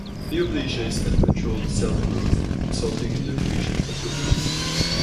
Neoplasia is uncontrolled cell growth, resulting in the creation of a tumour.